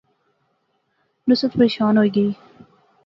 نصرت پریشان ہوئی گئی